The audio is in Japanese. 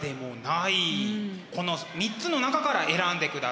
この３つの中から選んでくださいね。